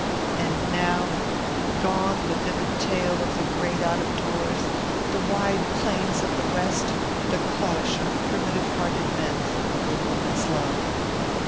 And now, gone the vivid tale of the great out of doors, the wide plains of the West, the clash of primitive hearted men for a good woman's love.